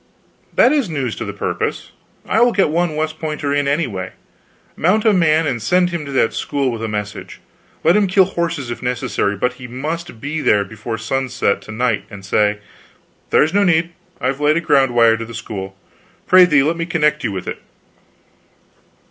"That is news to the purpose. I will get one West Pointer in, anyway. Mount a man and send him to that school with a message; let him kill horses, if necessary, but he must be there before sunset to night and say " "There is no need. I have laid a ground wire to the school. Prithee let me connect you with it."